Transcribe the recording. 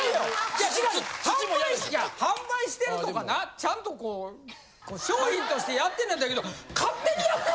いや販売してるとかなちゃんとこう商品としてやってんのやったらええけど。